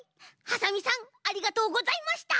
ハサミさんありがとうございました。